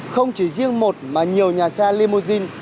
không chỉ riêng một mà nhiều nhà xe limousine